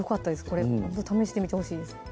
これ試してみてほしいです